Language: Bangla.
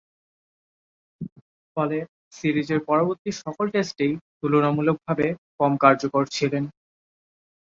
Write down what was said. ফলে সিরিজের পরবর্তী সকল টেস্টেই তুলনামূলকভাবে কম কার্যকর ছিলেন।